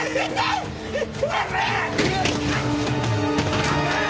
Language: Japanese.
おい！